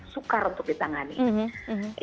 sukar untuk ditangani